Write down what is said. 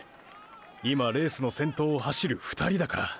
今レースの先頭を走る２人だから！！